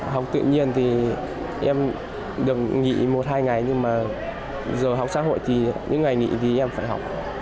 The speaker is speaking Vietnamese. học tự nhiên thì em được nghỉ một hai ngày nhưng mà giờ học xã hội thì những ngày nghỉ thì em phải học